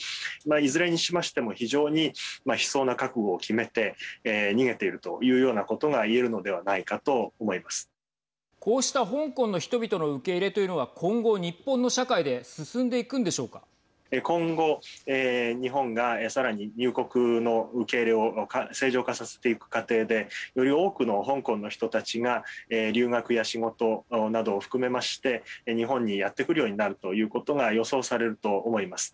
いずれにしましても非常に悲壮な覚悟を決めて逃げているというようなことがこうした香港の人々の受け入れというのは今後、日本の社会で今後、日本がさらに入国の受け入れを正常化させていく過程でより多くの香港の人たちが留学や仕事などを含めまして日本にやって来るようになるということが予想されると思います。